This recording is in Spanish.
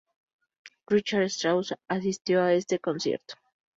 Richard Strauss asistió a este concierto.